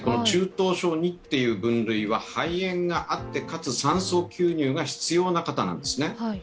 中等症Ⅱという分類は、肺炎があって、かつ酸素吸入が必要な方なんですね。